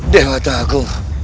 dia ada di atas aku